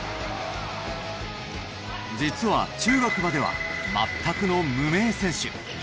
実は中学までは全くの無名選手。